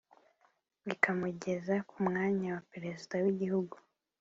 rikamugeza ku mwanya wa perezida w’igihugu